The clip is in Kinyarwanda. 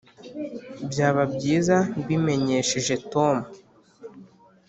byaba byiza mbimenyesheje tom.